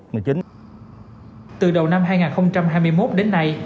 từ đầu năm hai nghìn hai mươi một đến nay